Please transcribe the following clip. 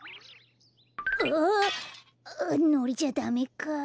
ああっのりじゃダメか。